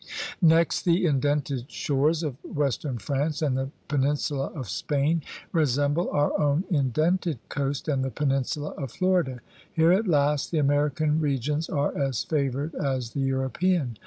Next the indented shores of western France and the peninsula of Spain re semble our own indented coast and the peninsula of Florida. Here at last the American regions are as favored as the European.